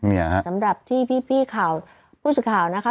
นี่ไงครับสำหรับที่พี่ข่าวผู้สุดข่าวนะคะ